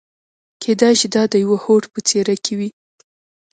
کېدای شي دا د يوه هوډ په څېره کې وي.